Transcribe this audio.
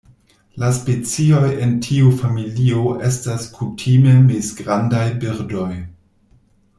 La specioj en tiu familio estas kutime mezgrandaj birdoj.